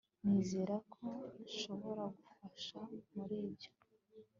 Nizera ko nshobora gufasha muri ibyo